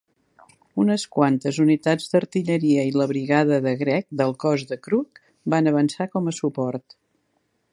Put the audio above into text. Unes quantes unitats d'artilleria i la brigada de Gregg del cos de Crook van avançar com a suport.